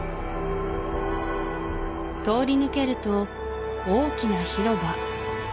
通り抜けると大きな広場